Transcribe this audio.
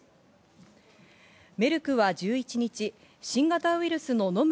メルクは１１日、新型ウイルスののむ